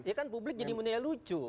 ya kan publik jadi menelucu